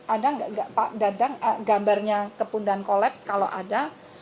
ada nggak pak dadang gambarnya kepundan kolaps kalau ada